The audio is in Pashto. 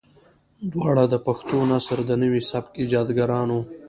دواړه د پښتو نثر د نوي سبک ايجادګران وو.